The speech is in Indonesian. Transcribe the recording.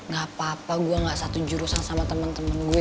gak apa apa gue gak satu jurusan sama teman teman gue